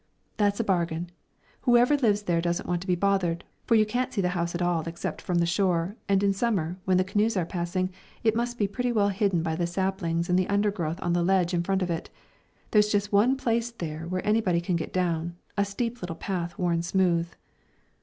"That's a bargain. Whoever lives there doesn't want to be bothered, for you can't see the house at all except from the shore; and in Summer, when the canoes are passing, it must be pretty well hidden by the saplings and the undergrowth on the ledge in front of it. There's just one place there where anybody can get down a steep little path, worn smooth."